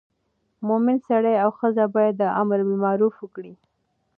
مومن سړی او ښځه باید امر بالمعروف وکړي.